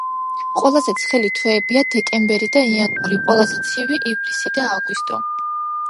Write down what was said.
ყველაზე ცხელი თვეებია დეკემბერი და იანვარი, ყველაზე ცივი ივლისი და აგვისტო.